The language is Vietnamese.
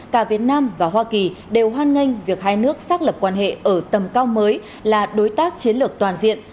cả việt nam và hoa kỳ đều hoan nghênh việc hai nước xác lập quan hệ ở tầm cao mới là đối tác chiến lược toàn diện